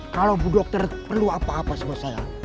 kalau bu dokter perlu apa apa sama saya